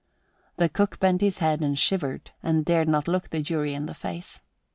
The cook bent his head and shivered and dared not look the jury in the face.